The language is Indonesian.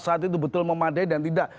saat itu betul memadai dan tidak